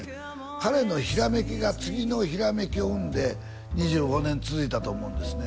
彼のひらめきが次のひらめきを生んで２５年続いたと思うんですね